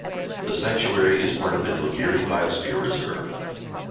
The sanctuary is part of the Nilgiri Biosphere Reserve.